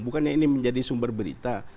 bukannya ini menjadi sumber berita